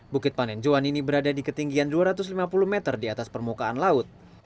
bukit panenjoan ini berada di ketinggian dua ratus lima puluh meter di atas permukaan laut